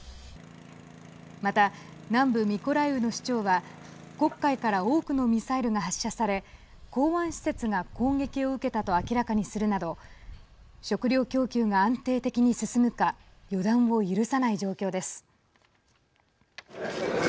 また、南部ミコライウの市長は黒海から多くのミサイルが発射され港湾施設が攻撃を受けたと明らかにするなど食料供給が安定的に進むか予断を許さない状況です。